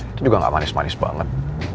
itu juga gak manis manis banget